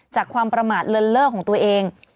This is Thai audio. ความประมาทเลินเล่อของตัวเอง